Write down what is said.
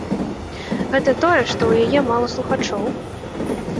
Гэта тое, што ў яе мала слухачоў?